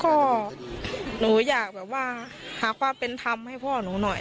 ก็หนูอยากแบบว่าพ่อหนูหน่อย